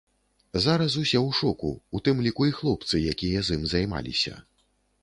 Зараз усе ў шоку, у тым ліку і хлопцы, якія з ім займаліся.